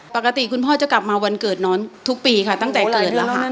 คุณพ่อจะกลับมาวันเกิดน้องทุกปีค่ะตั้งแต่เกิดแล้วค่ะ